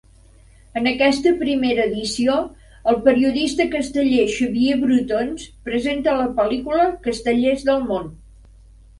En aquesta primera edició el periodista casteller Xavier Brotons presenta la pel·lícula Castellers del món.